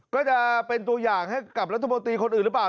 ก็จะเป็นตัวอย่างให้กับรัฐมนตรีคนอื่นหรือเปล่า